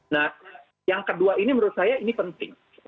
nah yang kedua ini menurut saya ini penting